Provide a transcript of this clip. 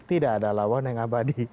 tidak ada lawan yang abadi